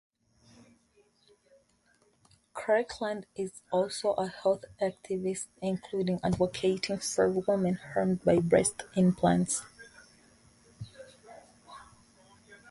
Kirkland is also a health activist including advocating for women harmed by breast implants.